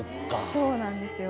そうなんですよ。